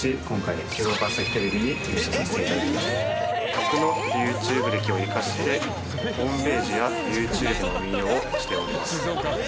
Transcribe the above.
僕のＹｏｕＴｕｂｅ歴を生かしてホームページやＹｏｕＴｕｂｅの運用をしております。